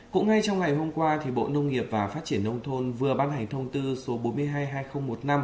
cũng ngay trong ngày hôm qua bộ nông nghiệp và phát triển nông thôn vừa ban hành thông tư số bốn mươi hai hai nghìn một mươi năm